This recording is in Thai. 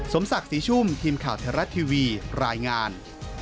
สมศักดิ์ศรีชุ่มทีมข่าวไทยรัฐทีวีรายงาน